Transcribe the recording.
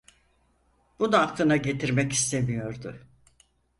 Bunu aklına getirmek istemiyordu.